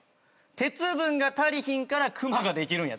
鉄分が足りひんからクマができるんやと。